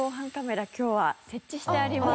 今日は設置してあります。